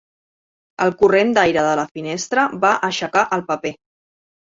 El corrent d'aire de la finestra va aixecar el paper.